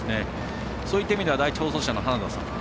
そういった意味では第１放送車の花田さん